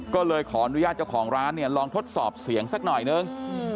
ก็เลยขออนุญาตเจ้าของร้านเนี่ยลองทดสอบเสียงสักหน่อยนึง